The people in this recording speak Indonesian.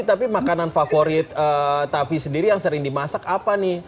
tapi makanan favorit taffi sendiri yang sering dimasak apa nih